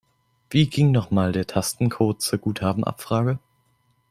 Wie ging noch mal der Tastencode zur Guthabenabfrage?